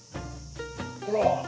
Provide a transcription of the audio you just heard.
ほら。